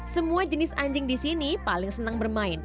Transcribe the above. semua jenis anjing di sini paling senang bermain